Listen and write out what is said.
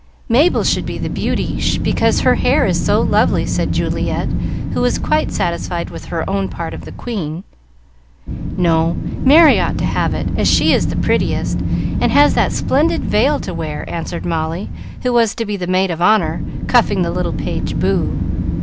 "Mabel should be the Beauty, because her hair is so lovely," said Juliet, who was quite satisfied with her own part of the Queen. "No, Merry ought to have it, as she is the prettiest, and has that splendid veil to wear," answered Molly, who was to be the maid of honor, cuffing the little page, Boo.